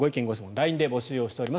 ＬＩＮＥで募集しています。